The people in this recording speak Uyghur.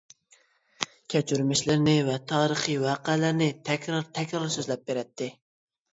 كەچۈرمىشلىرىنى ۋە تارىخىي ۋەقەلەرنى تەكرار-تەكرار سۆزلەپ بېرەتتى.